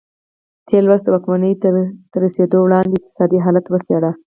تېر لوست د واکمنۍ ته تر رسېدو وړاندې اقتصادي حالت وڅېړه.